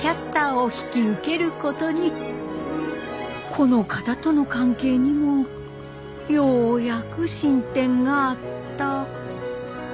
この方との関係にもようやく進展があったみたい？